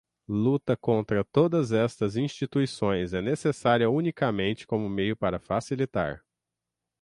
luta contra todas estas instituições é necessária unicamente como meio para facilitar